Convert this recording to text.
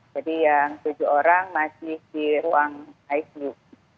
jadi yang tujuh orang masih di ruang icu